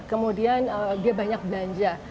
kemudian dia banyak belanja